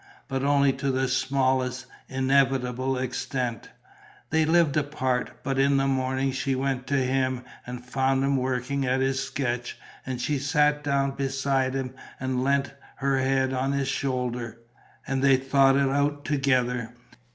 But only to the smallest, inevitable extent. They lived apart; but in the morning she went to him and found him working at his sketch; and she sat down beside him and leant her head on his shoulder; and they thought it out together.